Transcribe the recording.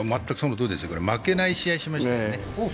全くそのとおり、負けない試合をしましたね。